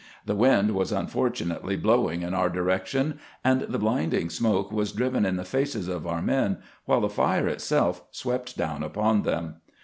The wind was, unfortunately, blowing in our direction, and the blinding smoke was driven in the faces of our men, while the fire itself swept down upon them.